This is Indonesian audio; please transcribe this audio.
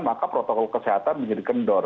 maka protokol kesehatan menjadi kendor